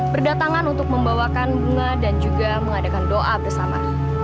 berdatangan untuk membawakan bunga dan juga mengadakan doa bersama